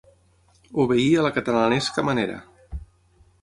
Obeir a la catalanesca manera.